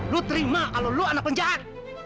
lu terima kalau lo anak penjahat